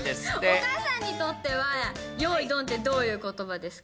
お母さんにとっては、よーいドンってどういうことばですか？